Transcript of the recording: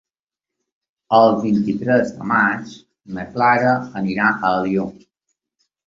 El vint-i-tres de maig na Clara anirà a Alió.